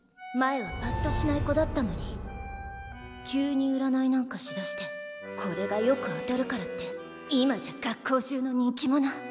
前はパッとしない子だったのに急にうらないなんかしだしてこれがよく当たるからって今じゃ学校中の人気者。